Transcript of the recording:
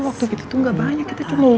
waktu itu tuh ga banyak